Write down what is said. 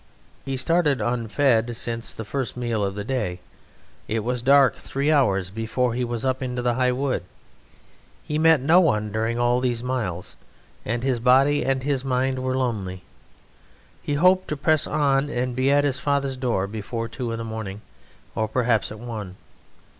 He started unfed since the first meal of the day; it was dark three hours before he was up into the high wood. He met no one during all these miles, and his body and his mind were lonely; he hoped to press on and be at his father's door before two in the morning or perhaps at one.